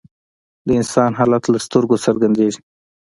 د انسان حالت له سترګو څرګندیږي